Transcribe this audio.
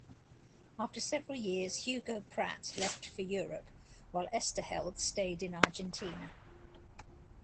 After several years, Hugo Pratt left for Europe, while Oesterheld stayed in Argentina.